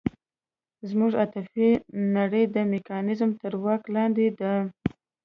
زموږ عاطفي نړۍ د میکانیزم تر واک لاندې ده.